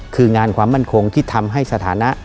คืองานความมั่นคงที่ทำให้สถานะ